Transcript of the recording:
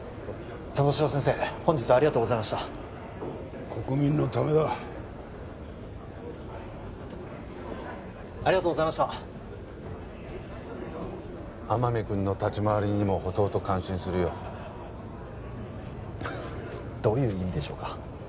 里城先生本日はありがとうございました国民のためだありがとうございました天海君の立ち回りにもほとほと感心するよどういう意味でしょうか